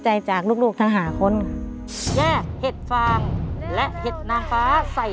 ให้ในเวลา๓นาที